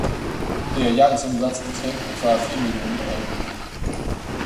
Der Jahresumsatz beträgt etwa vier Millionen Euro.